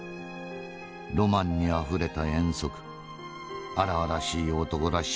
ロマンにあふれた遠足荒々しい男らしい冒険。